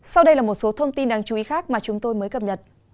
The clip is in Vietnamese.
sau đây là một số thông tin đáng chú ý khác mà chúng tôi mới cập nhật